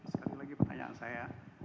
sekali lagi pertanyaan saya